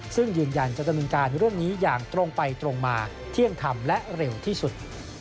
ซึ่งยืนยันจะดำเนินการเรื่องนี้อย่างตรงไปตรงมาเที่ยงธรรมและเร็วที่สุด